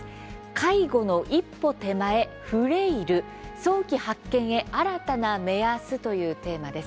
「介護の一歩手前“フレイル”早期発見へ新たな目安」というテーマです。